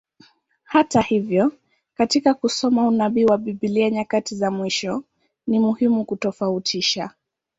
Hata hivyo, katika kusoma unabii wa Biblia nyakati za mwisho, ni muhimu kutofautisha.